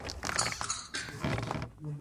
ځمکه د افغان تاریخ په کتابونو کې ذکر شوی دي.